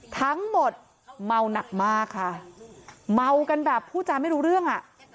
ทั้งหมดเมาหนักมากค่ะเมากันแบบพูดจาไม่รู้เรื่องอ่ะ